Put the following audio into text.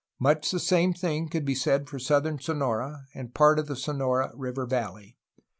Much the same thing could be said for southern Sonora and part of the Sonora River valley.